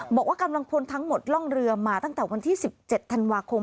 บอกว่ากำลังพลทั้งหมดล่องเรือมาตั้งแต่วันที่๑๗ธันวาคม